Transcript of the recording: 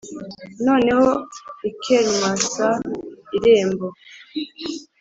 noneho i kermanshah irembo